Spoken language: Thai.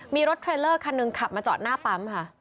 มีรถเทรลเลอร์คันหนึ่งขับมาจอดหน้าปั๊มค่ะ